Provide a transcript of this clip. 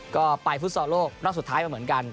ก็ไปฟุตซอลโลกรอบสุดท้ายมาเหมือนกัน